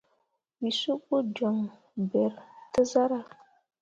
Wǝ suɓu joŋ beere te zarah.